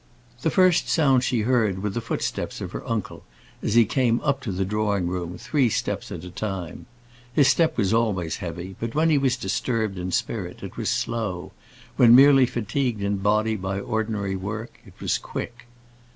The first sounds she heard were the footsteps of her uncle, as he came up to the drawing room, three steps at a time. His step was always heavy; but when he was disturbed in spirit, it was slow; when merely fatigued in body by ordinary work, it was quick.